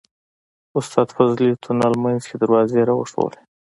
استاد فضلي تونل منځ کې دروازې راوښودلې.